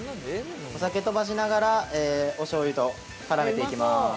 お酒飛ばしながらおしょうゆと絡めていきます。